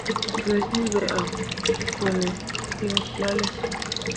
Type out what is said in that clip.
Gǝǝzyii ɓe a kone ki lalle.